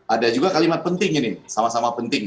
ada juga kalimat penting ini sama sama penting